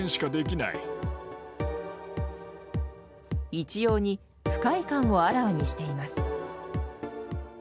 一様に不快感をあらわにしています。